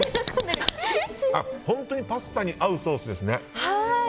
本当にパスタに合うソースですね。